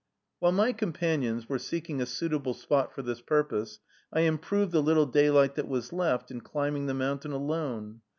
While my companions were seeking a suitable spot for this purpose, I improved the little daylight that was left in climbing the mountain alone.